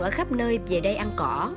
ở khắp nơi về đây ăn cỏ